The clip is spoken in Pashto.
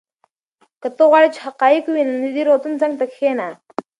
که ته غواړې چې حقایق ووینې نو د دې روغتون څنګ ته کښېنه.